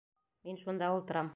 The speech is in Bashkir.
Мин шунда ултырам.